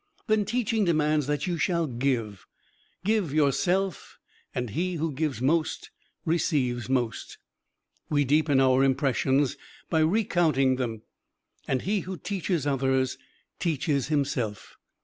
Then teaching demands that you shall give give yourself and he who gives most receives most. We deepen our impressions by recounting them, and he who teaches others teaches himself.